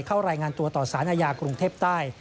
เข้ารายงานตัวต่อสารอาญากรุงเทพใต้